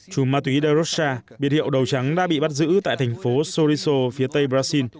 chú ma túy de rocha biệt hiệu đầu trắng đã bị bắt giữ tại thành phố soriso phía tây